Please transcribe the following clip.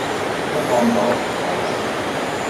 Ad ak-ɛemmdeɣ ad tgeḍ aya.